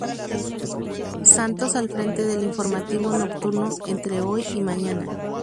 Santos al frente del informativo nocturno "Entre hoy y mañana".